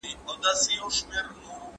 پرمختللي هېوادونه لوړ عاید لري.